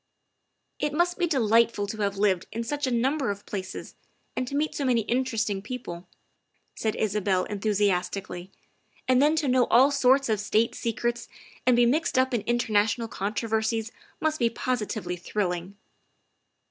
''" It must be delightful to have lived in such a num ber of places and to meet so many interesting people," 54 THE WIFE OF said Isabel enthusiastically, " and then to know all sorts of state secrets and be mixed up in international controversies must be positively thrilling."